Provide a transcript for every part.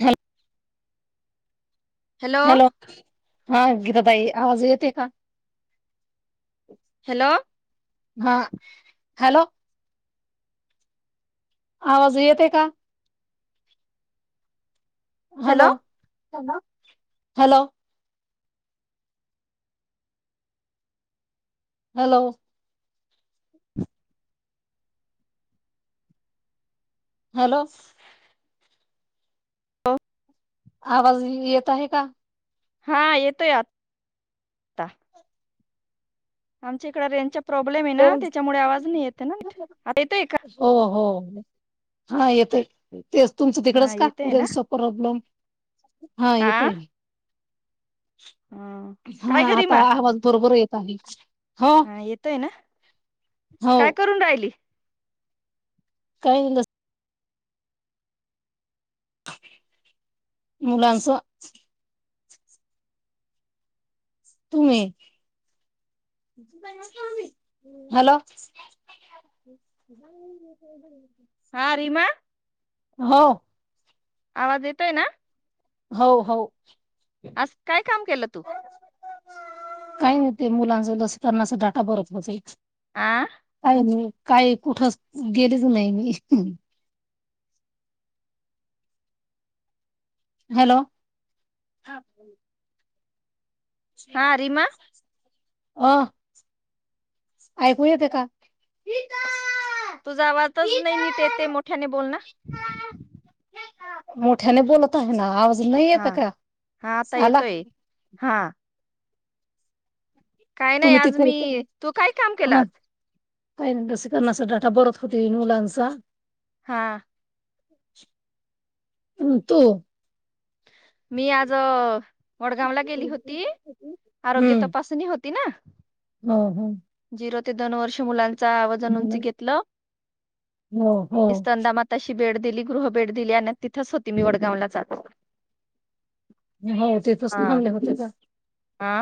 Thank you hello हा गिर बाई आवाज येतेय का? हॅलो- हा हॅलो- आवाज येतेय का? हॅलो ह हॅलो हॅलो हॅलो हो आवाज येत आहे का? हा येतोय आ आता आमच्या इकडं रेंजचे प्रॉब्लेम आहे ना त्याच्यामुळे आवाज नाही येते ना आता येतो का? हो हो हा येतोय. तेच तुमचं तिकडच हा का येतोय ना रेंज प्रॉब्लेम हा येतय आहे. ह हा काय ग आता रीमा आवाज बरोबर येत... [unintelligible] हा येतोय ना हो काय करून राहिली. काय नाही बस- मूलाच! तुम्ही हॅलो. हा रीमा. हो आवाज येतोय ना? हो हो आज काय काम केलं तु काही नाही ते मुलांच लस करणाच डाटा भरत होते. आ काय नाही. काही कुठच गेलेच नाही मी- हॅलो, हा [unintelligible] रीमा अ ऐकू येते का? तुझा आवाजच नाही नीट येते मोठ्याने बोलना! मोठ्याने बोलत आहे ना! नाही येत का हा आता येतोय हा काय नाही तुम्ही आज तिथे मी येत. तू काय काम हा केलस. काही लसीकरणाचा डाटा भरत होते मुलांचा. हा तु मी आज- वडगाव ला गेली होती आरोग्य हम्म तपासणी होती. होती ना, हम हम् झिरो ते दोन वर्ष मुलां चा आवाजानुंच घेतलं. हो हो. स्तनदा माताशी बेड दिली गृहभेट दिली आणि तिथंच होती मी वडगावलाच आज. हो तेथच थांबले होते का? आ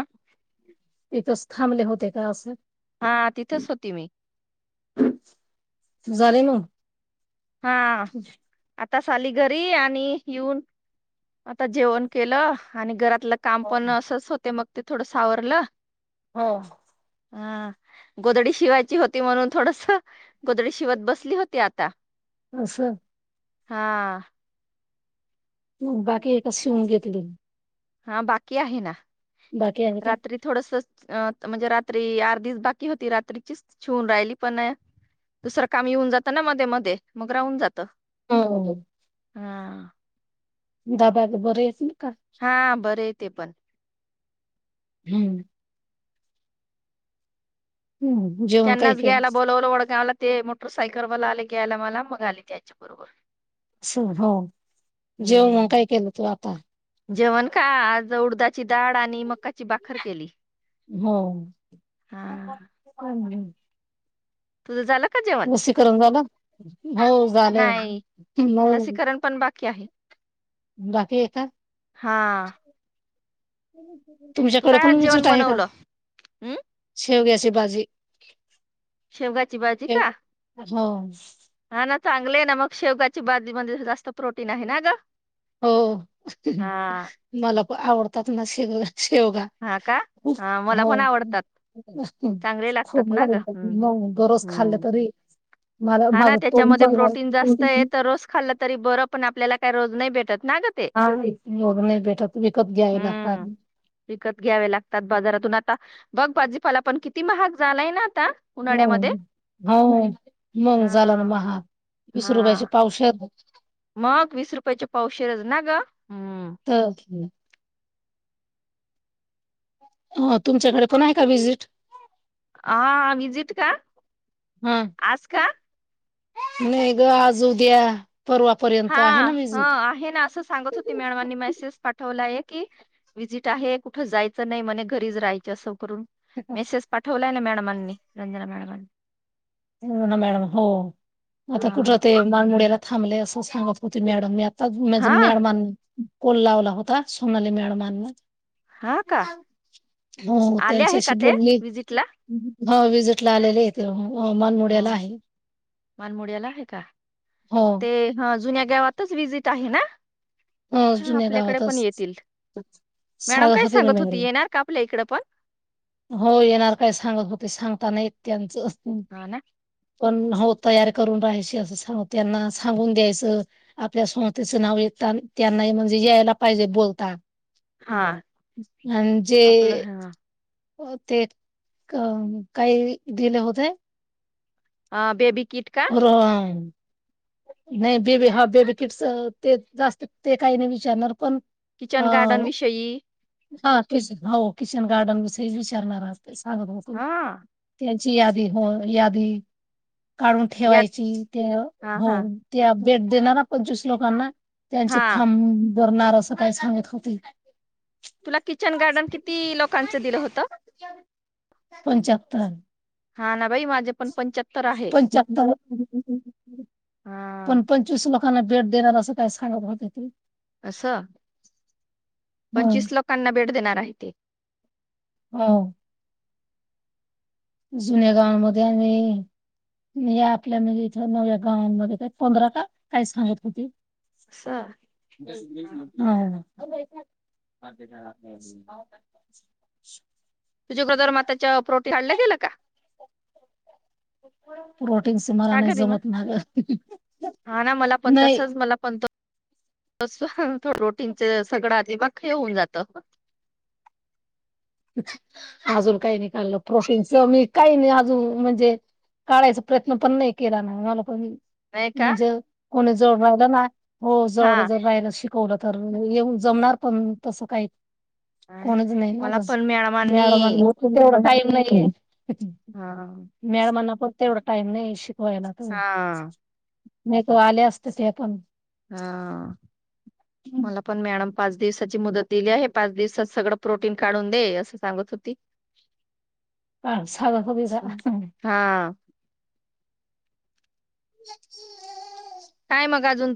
तिथंच थांबले होते का असं? हा तिथंच होती मी. झाले मग हा आ.. ताच आली घरी आणि येऊन आता जेवण केलं. आणि घरात लं काम पण असच होते मग. ते थोडंस आवरलं. हा. हा गोदडी शिवायची होती म्हणून थोडंसं गोदडी शिवत बसली होती आता. असं हा. तु बाकी एकच शिवून घेतली हा बाकी आहे ना. बाकी आहे का रात्री थोडसं अ म्हणजे रात्री आर्धीच बाकी होती रात्रीचीच शिवून राहिली, पण दुसरं काम येऊन जात ना मध्ये मध्ये मग राहून जातं. हो हो हो. हा. दादा ग बर यासणी हा बरे आहेत ते पण [unintelligible] हम्म जेवण काय त्यांनाच केलं घ्यायला बोलावलं वडगावला ते मोटरसायकल वर आले. ग्यायला मला मग आली त्याच्याबरोबर हो जेव मग हम्म. काय केलं तू आता जेवण का आज उडदाची डाळ आणि मकाची बाखर केली. हो. हा. तुझं झालं का जेवण? लसीकरण झालं? हो झालं हो की आहे. बाकी य का हा. हम् तू तुमच्याकडे काय पण आज जेवण विजत आहे का बनवलं? हम्म के हो ग्या स बाजी शेवगाची बाजी का हो हा ना चांगले आहे ना मग शेवगाची बाजीमध्ये जास्त प्रोटीन आहे ना ग हो हा. मला पण आवडतात ना शिग शेवगा हा का? हा मला हो पण आवडतात चांगले खूप लागतात ना ग. हम्म. म गररोज खाल्लं हम्म तरी मला हा ना माझं तोंड त्याच्यामध्ये पडणार प्रोटीन जास्त आहे तर रोस खाल्ला तरी बरं पण आप आपल्याला काही रोज नाही भेटत ना ग ते हा एवढं नाही भेटत विकत घ्यावे हम्म लागतात विकत घ्यावे लागतात बाजारातून आता बगबाजीपाला पण किती महाग झालाय ना आता हो उन्हाळ्यामध्ये हा मंग झाला ना हा महा वीस हा रुपयाच्या पावशात मग वीस रुपयाच्या पावशरज ना ग हो अ तुमच्याकडे पण आहे का व्हजिट हा अभजिित का हा आज का नाही ग आज उ द्या हा ह आहे ना असं सांगत होती मॅडमांनी मेसेज पाठवला एक की विजिट आहे कुठं जायचं नाही म्हणे घरीच राहायच अस मेसेज पाठवले कल्याण मॅडमनी रंजना मॅडमनी ना मॅडम हो आता कुठ हा ते मान मुडीला थांबले असं सांगत होते मॅडम मी म्हज हा मेळ मान कोल लावला होता सोनाली मॅळमांना हा का हो आले आहे त्यांच्याशी का ते बोलली विजिटला हो वि्हजिट ला आलेले येतेून ह मानमोड्याला आहे का हो ते ह जुन्या गावातच वजिट आहे ना हो हा, जुन्या आपल्याकडे पण गावातच येतील मॅडम सांगत काय होते ना होती बेंगलूर येणार का आपल्या इकडे पण हो येणार काय सांगत होते सांगता नाही त्यांचं ह हा ना पण होत तयार करून राहाय असं सांग त्यांना सांगून द्यायचं आपल्या स्मतेचं नाव यता त्यांनाही म्हणजे यायला पाहिजे बोलता हा म्हांजे आपलं हा हो ते काही दिले होते हा बेबी किट का होर नाही बेबी हा बेबी किट्स ते जास्त ते काही नाही विचारणार पण किचन गार्डन विषयी ह किच हो किचन गार्डन विष विचारणार साग भाक हा त्या ची यादी हो यादी काढून या ठेवायची त्या हा हो हा त्या बेट दे ना ना पंचवीस लोकांना त्यांची हा फां दरणार असं काय सांगत होती तुला किचन गार्डन किती लोकांच दिलं होत? हा ना बाई माझे पण पंच्याहत्तर आहे पंच्याहतर हा पण पंचवीस म दोकांना बेट देणार असं काय सांगत होते ते अस हो पंचवीस लोकांना बेट देणार आहे ते ह. जुन्या गावांमध्ये आणि या आपल्या म्हे इथ नव्या गावांमध्ये का पंधरा का काही सांगत होते? असं हा. [unintelligible] तुझ्या ब्रदर माताच्या प्रोटी हाडल्या गेलं का? प्रोटीन स मला का नाही घरी मग जमत ना ग नाही. तस. रोटीं सगडळा ते बाखेऊन जात. अजून काही नाही काललं प्रोफिनच मी काही नाही अजून म्हणजे काढायचा प्रयत्न पण नाही केला ना मला पण - नाही - का म्हणजे कोणच - - [unintelligible] हो हा जोड [unintelligible] ना शिक वलं तर येऊ जमणार पण तसं काय - - हा ना कोणीच नाही नाग मला अजु - पण - मॅडमांनी मॅडम [unintelligible] नाही. हा मॅळ मना पण - - तेवढ टाईम नाही शि - - कवायला [unintelligible] हा नाही तो आले असततेस [unintelligible] हा. मला पण मॅडम - - पाच दिवसाची मुदत दिली आहे. पाच दिवसात सगळं प्रोटीन काढून दे असं सांगत होती. आ साधा कपी [unintelligible] जा हम्म. हा [unintelligible]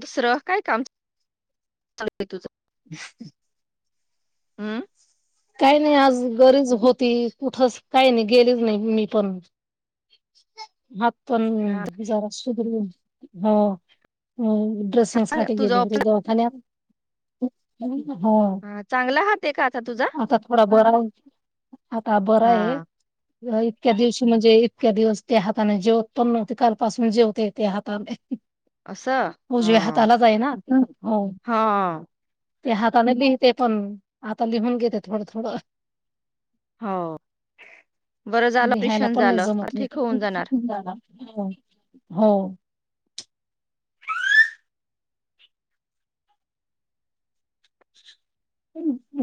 दुसर काय काम असत ग तुझं - - [unintelligible] हम्म. काही नाही आज घरीच होती कुठच काही नाही गेलीच नाही मी पण हा - - पण हा [unintelligible] हो. हं. ड्रेसिंग चांग- साठी तुझा गेले ऑप्शन तिथे एकाने [unintelligible] ह चांगला हात का आता तुझा आता थोडा बरा आता बर आहे हा इतक्या दिवशी म्हणजे इतक्या दिवस त्या हाताने जेवत पण नव्हते काल पासून जेवते त्या हाताने असं उजव हा हाताला आहे ना हो हा ते हाताने लिहते पण आता लिहून घेतल थोडं थोडं हो बरं झालं लिहायला ऑपरेशन पण नाही झालं आता जमत हो ठीक होऊन जाणार बहुतेक हो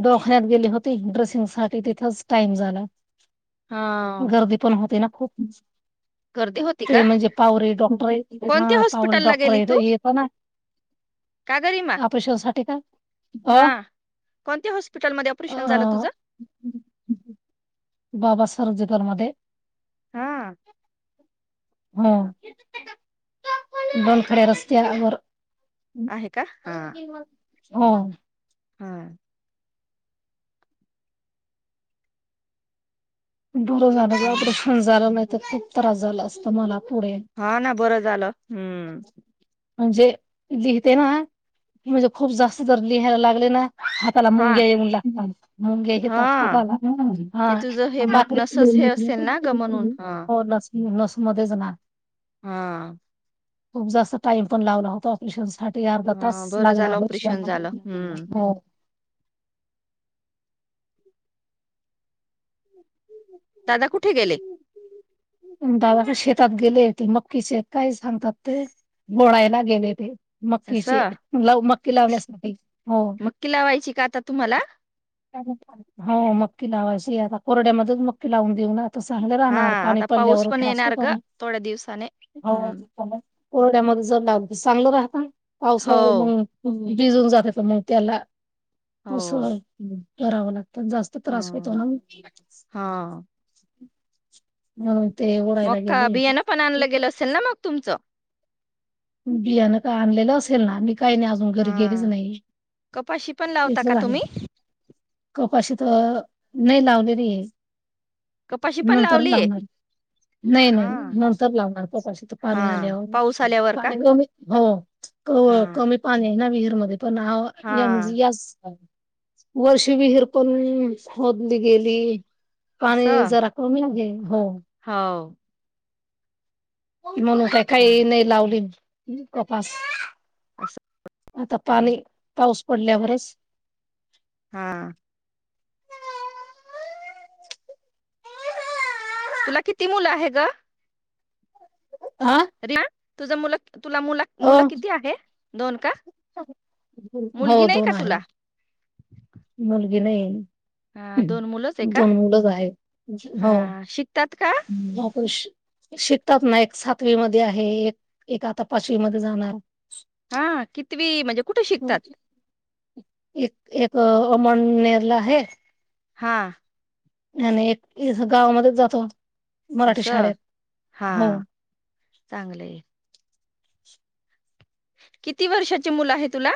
दवाखान्यात गेली होती ड्रेसिंग साठी तिथंच टाइम झाला हा गर्दी पण होती ना खूप ह् गर्दी होती का? ते म्हणजे पवार डॉक्टर कोणत्या आहे पवार हॉस्पिटलला डॉक्टर गेली तू? येता ना ऑपरेशन साठी का हा कोणत्या हॉस्पिटल मध्ये अ ऑपरेशन झालं तुझ जमध्येध्ये [unintelligible] हा हा बोलखड्या रस्त्यावर आहे का हा. हो. हम्म. बरं झालं बाई हं. ऑपरेशन झाल नाहीत खू त्रास झाला असतां मला. पुढे हा ना बरं झालं हम्म. म्हणजे लिहते ना म्हणजे खूप जास्त तर लिहायला लागले ना हाताला हां. मुंगे येऊन लागतात मुंगे येतात हां. हाताला हम्म ते हां. तुझं हे मग नसच हे असेल ना गं म्हणून. [unintelligible] हो नस मध्येच ना. हम्म खूप जास्त टाइम पण लावला होता ऑपरेशनसा ते अर्धा तास हां. बरं लागला झालं ऑपरेशन झालं. हं. [unintelligible] हो. दादा कुठे गेले? [unintelligible] दादा का शेतात गेले ते मक्कीच काय सांगतात ते, बोळायला गेले ते. मक्कीचे असं. लव मक्की लावण्यासाठी हो. मक्की लावायची का आता तुम्हाला? [unintelligible] हो मक्की लावायच. [unintelligible] कोरड्यामधून मक्की लावून देऊ ना. तस चांगल राहणार, हां. पाणी आता पाऊस पडल्यावर पण त्रास येणार गं होतो. थोड्या दिवसाने. हा ओ हं. कोरड्यामध्ये जर लाव चांगलं राहता हो. पावसा [unintelligible] भिजून जातायच मग त्याला हो. असं. करावला ला त जास्त त्रास होतो हां. ना म. हां. हम्म्म. मक्का बियाणं पण आणलं गेल असेल ना मग तुमचं? बियाणं का आणलेलं असेल ना मी काही नाही अजून घरी गेलीच हा. नाही. कपाशी पण लावता इथच का हाये तुम्ही? कपाशी त नई लावलेलीय. कपाशी पण नंतर लावलीये? लावणार नाही नाही हा. नंतर लावणार कपाशी त पाणी हा. आल्यावर. पाऊस आल्यावर का? [unintelligible] हो हा. क कमी पाणी [unintelligible] विहिरमध्ये. पण हाव हा. [unintelligible] वर्ष विहीर [unintelligible] खोदली गेली. पाणी असं? जरा कमी आहे [unintelligible] हो. म्हणून काय काहीही हं. नाही लावली. [unintelligible] कपास. असं. आता पाणी -पाऊस- ओढल्यावरच. हा तुला किती मुल आहे ग? हा अरी वा तुझं मुलं- तुला मुला अ मुलं किती आहे? दोन का? मुलगी हो नाही का दोन आहे. तुला? मुलगी नाही. हा दोन मुलंच आहे का? दोन मुलंच आहेत हो हा. शिकतात का? ऑपरेश शिकतात ना, एक सातवीमध्येआहे, एक, एक आता पाचवीमध्ये जाणार. हा कीती ती म्हणजे कुठे हम्म. शिकतात? एक एक अमळनेरला आहे. हा. आणि एक ईथ गावामध्येच जातो. मराठी अस? शाळेत हा हो चांगलय. किती वर्षाची मुलं आहे तुला?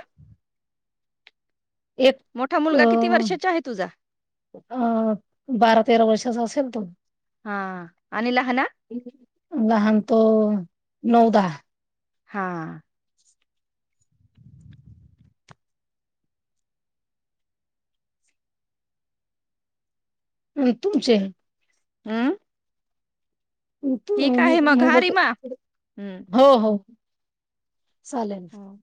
एक मोठा अ मुलगा किती वर्षाचा आहे तुझा? -अ बारा तेरा वर्षाचा असेल तो. हा आणि लहाना लहान तो नऊ, दहा. हा. तुमचे- अंम्म? हा तुम्ही रीमा हम्म [unintelligible] हो हो चालेन. हो.